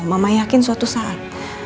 mama yakin suatu saat